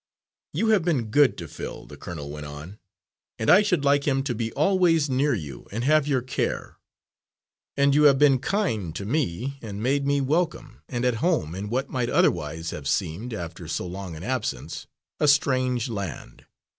"You have been good to Phil," the colonel went on, "and I should like him to be always near you and have your care. And you have been kind to me, and made me welcome and at home in what might otherwise have seemed, after so long an absence, a strange land.